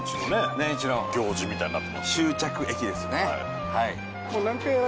年一の行事みたいになってます。